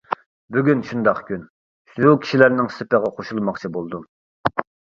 بۈگۈن شۇنداق كۈن، شۇ كىشىلەرنىڭ سېپىغا قوشۇلماقچى بولدۇم.